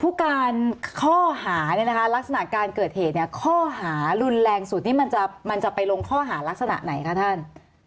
ผู้การข้อหาเนี่ยนะคะลักษณะการเกิดเหตุเนี่ยข้อหารุนแรงสุดนี่มันจะไปลงข้อหารักษณะไหนคะท่าน